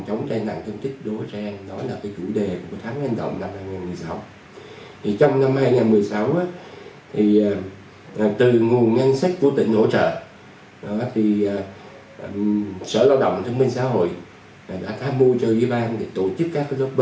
hôm nay chúng tôi đang tổ chức